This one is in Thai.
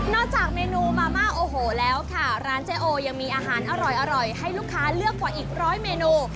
จากเมนูมาม่าโอ้โหแล้วค่ะร้านเจ๊โอยังมีอาหารอร่อยให้ลูกค้าเลือกกว่าอีกร้อยเมนู